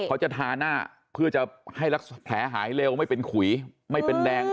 เขาจะทาหน้าเพื่อจะให้รักษาแผลหายเร็วไม่เป็นขุยไม่เป็นแดง